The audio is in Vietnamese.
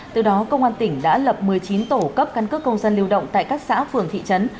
từ đó công an tỉnh đã lập một mươi chín tổ cấp căn cước công dân lưu động tại các xã phường thị trấn